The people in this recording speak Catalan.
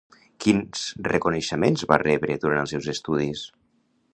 Quins reconeixements va rebre durant els seus estudis?